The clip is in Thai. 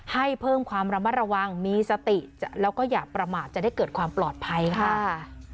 ให้เพิ่มความระมัดระวังมีสติแล้วก็อย่าประมาทจะได้เกิดความปลอดภัยค่ะ